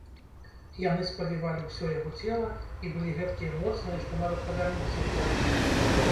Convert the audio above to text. Яны спавівалі ўсё яго цела і былі гэткія моцныя, што нават павярнуцца не давалі.